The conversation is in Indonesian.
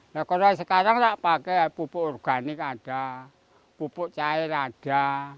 nah kalau sekarang tak pakai pupuk organik ada pupuk cair ada